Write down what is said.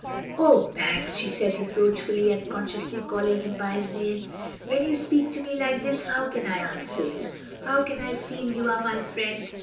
"Oh, Max!" she said reproachfully, uncon sciously calling him by his name, "when you speak to me like this how can I answer you; how can I feel you are my friend?